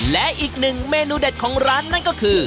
และอีกหนึ่งเมนูเด็ดของร้านนั่นก็คือ